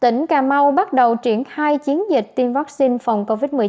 tỉnh cà mau bắt đầu triển khai chiến dịch tiêm vaccine cho người từ một mươi hai một mươi bảy tuổi